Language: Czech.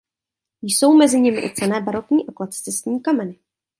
Jsou mezi nimi i cenné barokní a klasicistní kameny.